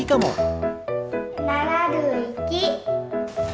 ７１。